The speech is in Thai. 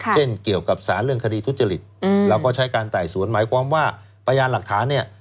เช่นเกี่ยวกับสารเรื่องคดีทุจริตเราก็ใช้การไต่สวนหมายความว่าพยานหลักฐานเนี่ย